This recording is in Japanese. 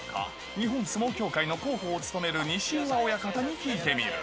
日本相撲協会の広報を務める西岩親方に聞いてみる。